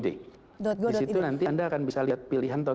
di situ nanti anda bisa lihat pilihan tahun dua ribu tujuh belas